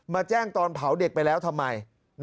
แจ้งตอนเผาเด็กไปแล้วทำไม